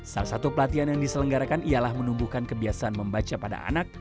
salah satu pelatihan yang diselenggarakan ialah menumbuhkan kebiasaan membaca pada anak